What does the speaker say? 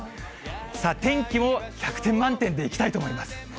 さあ、天気も百点満点でいきたいと思います。